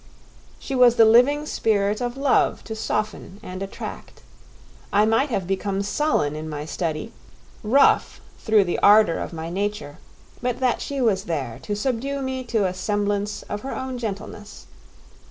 She was the living spirit of love to soften and attract; I might have become sullen in my study, rough through the ardour of my nature, but that she was there to subdue me to a semblance of her own gentleness.